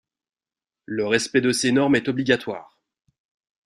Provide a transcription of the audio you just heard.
Le respect de ces normes est obligatoire.